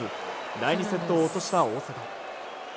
第２セットを落とした大坂。